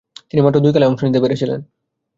তিনি মাত্র দুই খেলায় অংশ নিতে পেরেছিলেন।